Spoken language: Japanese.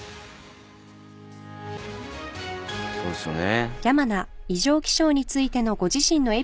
そうですよね。